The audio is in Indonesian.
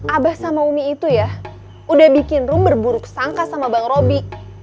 abah sama umi itu ya udah bikin rumor buruk sangka sama bang robi